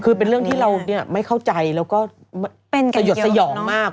คือเป็นเรื่องที่เราไม่เข้าใจแล้วก็สยดสยองมาก